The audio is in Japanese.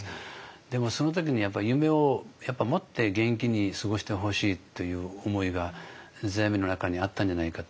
でもその時にやっぱり夢を持って元気に過ごしてほしいという思いが世阿弥の中にあったんじゃないかと。